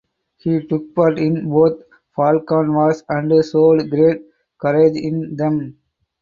He took part in both Balkan Wars and showed great courage in them.